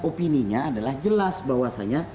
opini nya adalah jelas bahwasannya